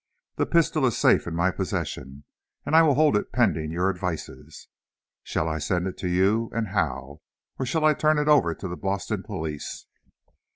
The pistol is safe in my possession, and I will hold it pending your advices. Shall I send it to you, and how? Or shall I turn it over to the Boston police?